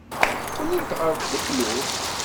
Qqlent ɣer teklut.